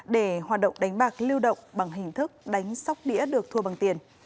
để hoạt động đánh bạc lưu động bằng hình thức đánh sóc đĩa được thua bằng tiền